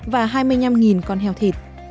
và hai mươi năm con heo thịt